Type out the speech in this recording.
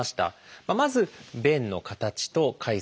まず「便の形と回数」。